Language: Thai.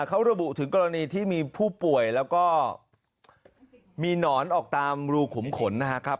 เขาระบุถึงกรณีที่มีผู้ป่วยแล้วก็มีหนอนออกตามรูขุมขนนะครับ